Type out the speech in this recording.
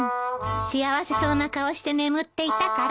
幸せそうな顔して眠っていたから。